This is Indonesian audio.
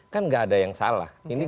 kan nggak ada yang salah